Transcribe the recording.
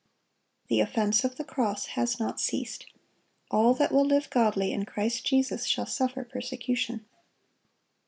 The offense of the cross has not ceased. "All that will live godly in Christ Jesus shall suffer persecution."